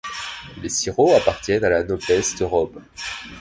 Les Sirot appartiennent à la noblesse de robe.